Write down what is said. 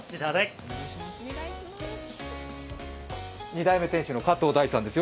二代目店主の加藤大さんです。